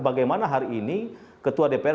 bagaimana hari ini ketua dpr